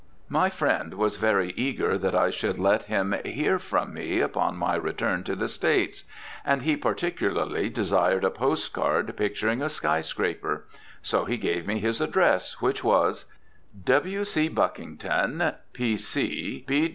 My friend was very eager that I should let him "hear from" me upon my return to the States, and he particularly desired a postcard picturing a skyscraper. So he gave me his address, which was: "W. C. Buckington, P. C.